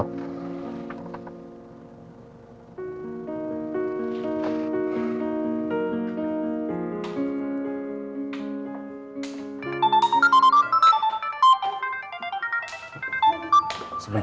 lo apa lanjut